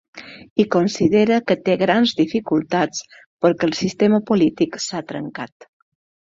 I considera que té grans dificultats perquè el sistema polític s’ha trencat.